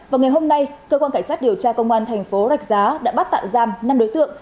vào ngày hôm nay cơ quan cảnh sát điều tra công an thành phố rạch giá đã bắt tạm giam năm đối tượng